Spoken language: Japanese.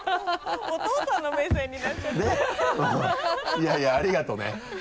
いやいやありがとね。